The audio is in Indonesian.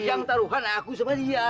yang taruhan aku sama dia